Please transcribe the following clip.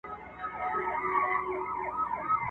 پردې مځکه دي خزان خېمې وهلي ..